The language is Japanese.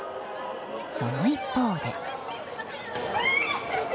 その一方で。